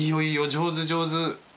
上手上手。